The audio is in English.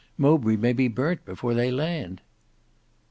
Mowbray may be burnt before they land."